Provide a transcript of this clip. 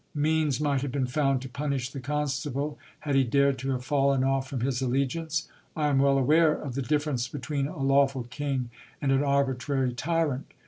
Means might have been found to punish the constable had he dared to have fallen off from his allegiance ! I am well aware of the difference between a lawful king and an arbitrary tyrant.